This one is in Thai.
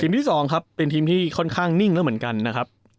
ที่๒ครับเป็นทีมที่ค่อนข้างนิ่งแล้วเหมือนกันนะครับ